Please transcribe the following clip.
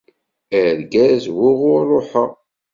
Argaz wuɣur ṛuḥeɣ.